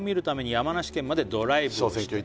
「山梨県までドライブをして」